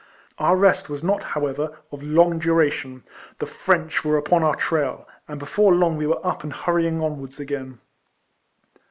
Our rest was not, however, of long duration. The French were upon our trail, and before long we were up and hurrying onwards again.